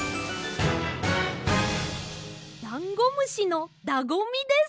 ダンゴムシのだごみです！